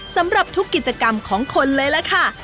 สำหรับทุกกิจกรรมของคนเลยล่ะค่ะ